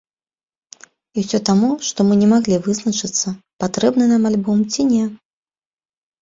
І ўсё таму, што мы не маглі вызначыцца, патрэбны нам альбом, ці не.